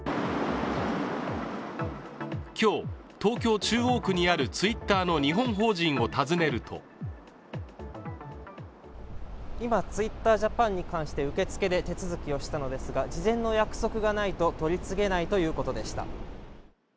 今日、東京・中央区にあるツイッターの日本法人を訪ねると今、ツイッタージャパンに関して受け付けで手続きをしたのですが、事前の約束がないと取り次げないということでした。